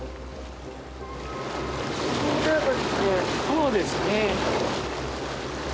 そうですね。